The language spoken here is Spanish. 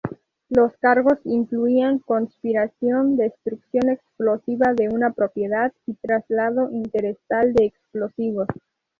Los cargos incluían conspiración, destrucción explosiva de una propiedad, y traslado interestatal de explosivos.